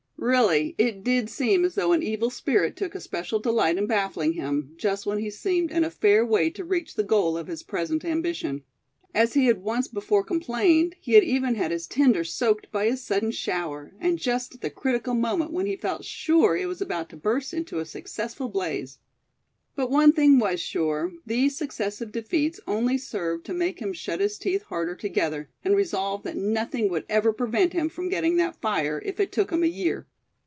Really, it did seem as though an evil spirit took especial delight in baffling him, just when he seemed in a fair way to reach the goal of his present ambition. As he had once before complained, he had even had his tinder soaked by a sudden shower, and just at the critical moment when he felt sure it was about to burst into a successful blaze. But one thing was sure, these successive defeats only served to make him shut his teeth harder together, and resolve that nothing would ever prevent him from getting that fire, if it took him a year.